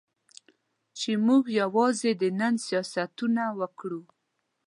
چې موږ یوازې د نن سیاستونه وکړو.